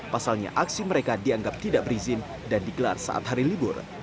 pasalnya aksi mereka dianggap tidak berizin dan digelar saat hari libur